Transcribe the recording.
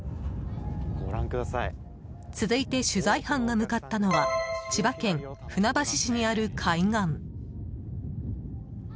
続いて、取材班が向かったのは千葉県船橋市にある海岸。